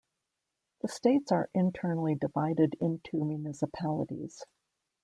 The states are internally divided into municipalities.